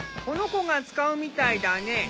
この子が使うみたいだね。